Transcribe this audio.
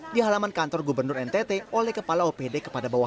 di halaman kantor gubernur ntt oleh kepala opd kepada bawah